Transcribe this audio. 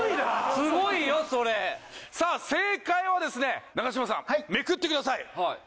すごいよそれさあ正解はですね永島さんめくってください